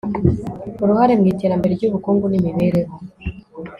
uruhare mu iterambere ry'ubukungu n'imibereho